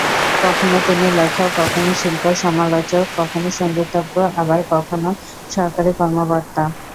কখনো তিনি লেখক, কখনো শিল্পসমালোচক, কখনো সংগীতজ্ঞ, আবার কখনো সরকারি কর্মকর্তা।